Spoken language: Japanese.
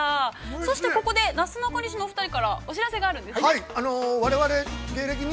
そして、ここで、なすなかにしのお二人からお知らせがあるんですね。